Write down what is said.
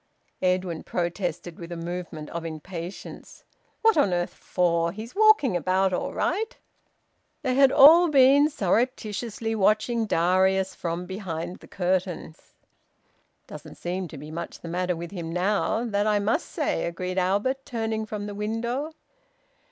Edwin protested with a movement of impatience "What on earth for? He's walking about all right." They had all been surreptitiously watching Darius from behind the curtains. "Doesn't seem to be much the matter with him now! That I must say!" agreed Albert, turning from the window.